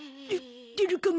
出るかも。